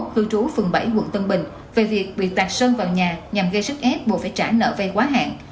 cư trú phường bảy quận tân bình về việc bị tạt sơn vào nhà nhằm gây sức ép buộc phải trả nợ vay quá hạn